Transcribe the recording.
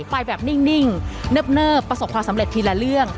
ไปแบบนิ่งเนิบประสบความสำเร็จทีละเรื่อง